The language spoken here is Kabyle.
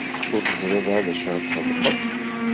Ur teẓriḍ ara d acu ara txedmeḍ.